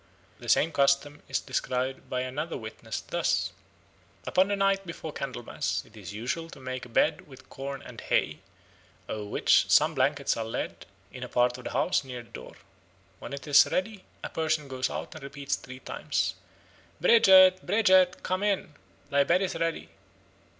The same custom is described by another witness thus: "Upon the night before Candlemas it is usual to make a bed with corn and hay, over which some blankets are laid, in a part of the house, near the door. When it is ready, a person goes out and repeats three times, ... 'Bridget, Bridget, come in; thy bed is ready.'